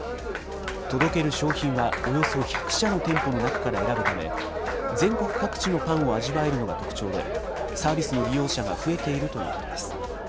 届ける商品はおよそ１００社の店舗の中から選ぶため、全国各地のパンを味わえるのが特徴で、サービスの利用者が増えているということです。